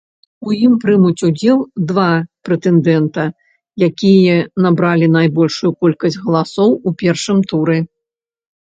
У ім прымуць удзел два прэтэндэнта, якія набралі найбольшую колькасць галасоў у першым туры.